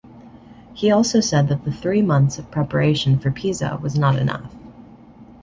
He also said that the three months of preparation for Pisa was not enough.